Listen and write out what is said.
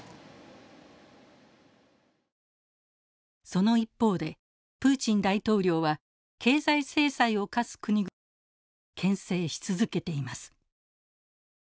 その一方でプーチン大統領は経済制裁を科す国々をけん制し続けています。